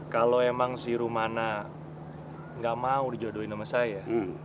kalau emang si rumana nggak mau dijodohin sama saya